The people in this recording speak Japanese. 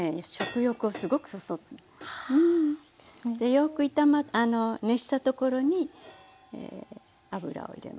でよく熱したところに油を入れますね。